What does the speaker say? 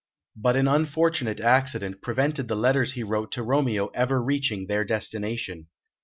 But an unfortunate accident prevented the letters he wrote to Romeo ever reaching their destination.